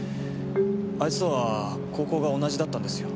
あいつとは高校が同じだったんですよ。